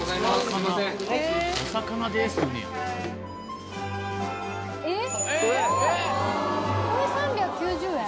これ３９０円？